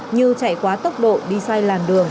như chạy quá tốc độ đi sai làn đường